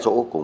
các lực lượng